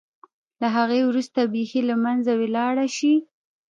له هغه وروسته بېخي له منځه ولاړه شي.